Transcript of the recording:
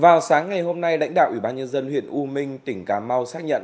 vào sáng ngày hôm nay lãnh đạo ủy ban nhân dân huyện u minh tỉnh cà mau xác nhận